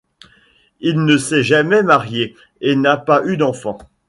Il ne s'est jamais marié et n'a pas eu d'enfant.